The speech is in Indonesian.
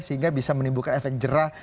sehingga bisa menimbulkan efek jerah